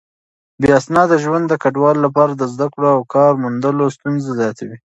بې اسناده ژوند د کډوالو لپاره د زده کړو او کار موندلو ستونزې زياتوي.